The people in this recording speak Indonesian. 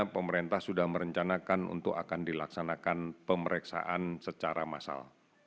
pemerintah sudah merencanakan untuk akan dilaksanakan pemeriksaan secara massal